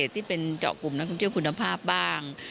ที่เป็นเจาะกลุ่มนักท่องเที่ยวคุณภาพบ้าง